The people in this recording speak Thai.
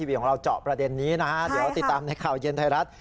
วีของเราเจาะประเด็นนี้นะฮะเดี๋ยวติดตามในข่าวเย็นไทยรัฐ